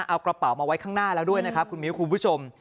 เอากระเป๋ามาไว้ข้างหน้าแล้วด้วยนะครับคุณมิ้วคุณผู้ชม